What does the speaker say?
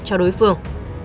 cho đối phương